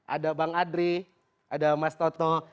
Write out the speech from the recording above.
ada bang adri ada mas toto